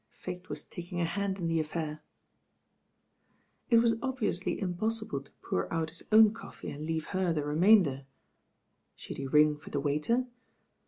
Fate was tak ing a hand in the affair. It was obviously impossible to pour out his own coffee and leave her t|ie remainder. Should he ring for the waiter?